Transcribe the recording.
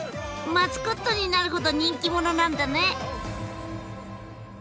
マスコットになるほど人気者なんだね！